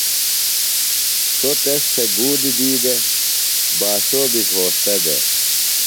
سوۡ تس تھےۡ گُولیۡ دی دےۡ باسو بیۡ گھوݜٹہ دےۡ۔